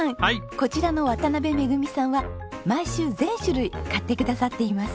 こちらの渡辺恵さんは毎週全種類買ってくださっています。